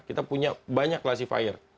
kita punya banyak classifier